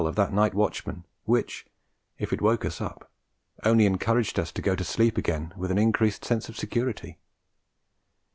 of that night watchman, which, if it woke us up, only encouraged us to go to sleep again with an increased sense of security.